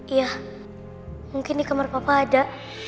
iya mungkin di kamar papa ada